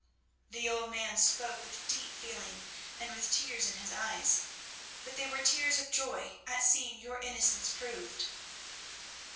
"The old man spoke with deep feeling and with tears in his eyes, but they were tears of joy at seeing your innocence proved.